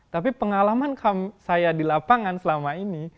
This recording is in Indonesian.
tapi pengalaman saya di lapangan selama ini